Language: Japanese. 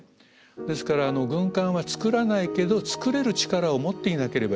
ですから軍艦は造らないけど造れる力を持っていなければいけない。